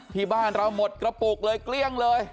ที่บ้านเราหมดกระปุกเลยเกลี้ยงเลย